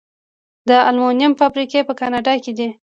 د المونیم فابریکې په کاناډا کې دي.